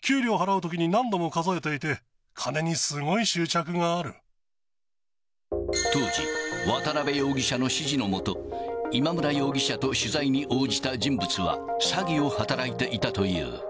給料払うときに何度も数えていて、当時、渡辺容疑者の指示の下、今村容疑者と取材に応じた人物は、詐欺を働いていたという。